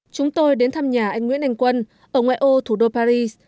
chúng tôi đến thăm nhà anh nguyễn anh quân ở ngoại ô thủ đô paris